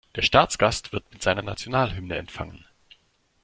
Der Staatsgast wird mit seiner Nationalhymne empfangen.